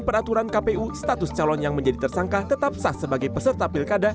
peraturan kpu status calon yang menjadi tersangka tetap sah sebagai peserta pilkada